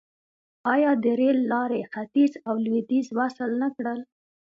آیا د ریل لارې ختیځ او لویدیځ وصل نه کړل؟